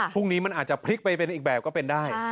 พรุ่งนี้มันอาจจะพลิกไปเป็นอีกแบบก็เป็นได้